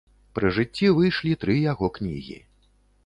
Пры жыцці выйшлі тры яго кнігі.